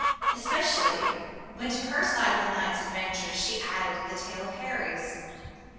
Especially when to her side of the night's adventures was added the tale of Harry's.